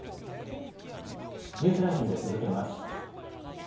ニュースランキングを続けます。